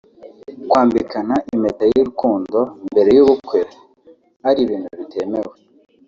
kwambikana impeta y'urukundo mbere y'ubukwe ari ibintu bitemewe